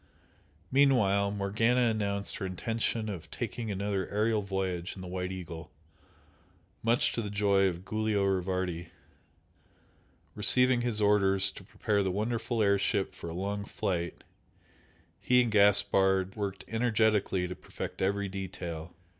Meanwhile Morgana announced her intention of taking another aerial voyage in the "White Eagle" much to the joy of Giulio Rivardi. Receiving his orders to prepare the wonderful air ship for a long flight, he and Gaspard worked energetically to perfect every detail.